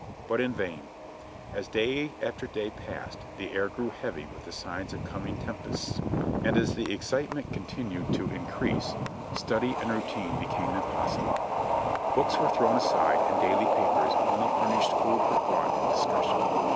But in vain ! As day after day passed the air grew heavy with signs of coming tempests, and as the excitement continued to in 14 JOHNNY REB AND BILLY YANK crease, study and routine became impossible. Books were thrown aside and daily papers only furnished food for thought and dis cussion.